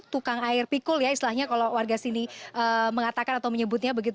tukang air pikul ya istilahnya kalau warga sini mengatakan atau menyebutnya begitu